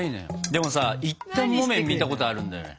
でもさ一反木綿見たことあるんだよね。